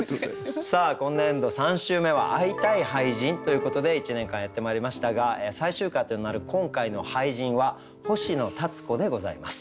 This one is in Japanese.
さあ今年度３週目は「会いたい俳人」ということで１年間やってまいりましたが最終回となる今回の俳人は星野立子でございます。